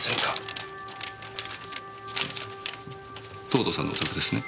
藤堂さんのお宅ですね？